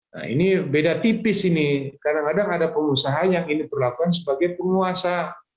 nah ini beda tipis ini kadang kadang ada pengusaha yang ini perlakuan sebagai penguasa